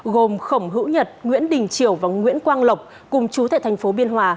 gồm khổng hữu nhật nguyễn đình triều và nguyễn quang lộc cùng chú tại thành phố biên hòa